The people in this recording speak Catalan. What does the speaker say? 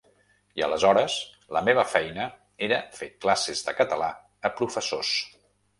I aleshores la meva feina era fer classes de català a professors.